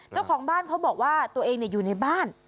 เจ้าของบ้านเขาบอกว่าตัวเองอยู่ในบ้าน